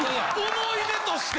思い出として！